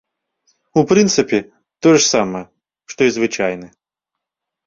У прынцыпе, тое ж самае, што і звычайны!